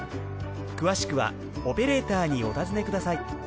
詳しくはオペレーターにお尋ねください。